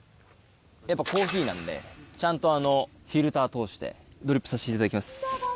やっぱコーヒーなんでちゃんとフィルター通してドリップさしていただきます。